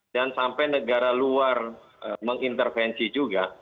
dan sampai negara luar mengintervensi juga